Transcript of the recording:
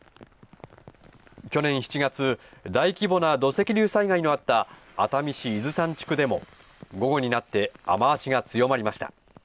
去年７月、大規模な土石流災害があった熱海市伊豆山地区でも午後になって雨足が強まりました。